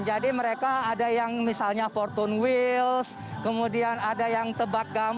jadi mereka ada yang misalnya